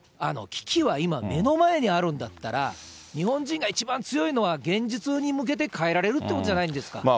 危機は今、目の前にあるんだったら、日本人が一番強いのは、現実に向けて変えられるっていうことじゃないんですか。